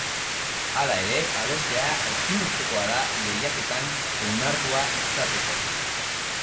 Hala ere, abestea ezinbestekoa da lehiaketan onartua izateko.